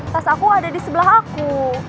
pas aku ada di sebelah aku